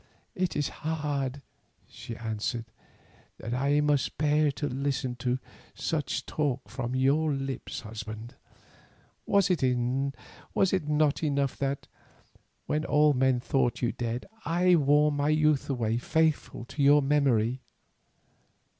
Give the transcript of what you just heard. "It is hard," she answered, "that I must bear to listen to such talk from your lips, husband. Was it not enough that, when all men thought you dead, I wore my youth away faithful to your memory?